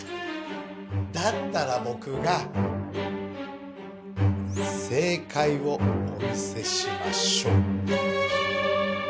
だったらぼくが正かいをお見せしましょう！